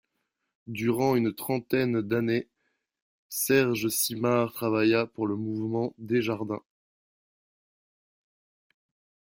Durant une trentaine d’années, Serge Simard travailla pour le Mouvement Desjardins.